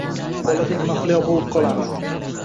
Boladek mahliyo bo’lib qolaman.